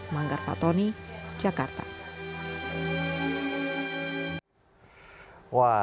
manggar fatoni jakarta